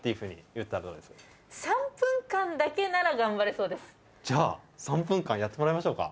そこでじゃあ３分間やってもらいましょうか。